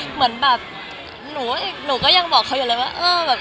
เหมือนหนูก็ยังบอกเขาอยู่เลยว่า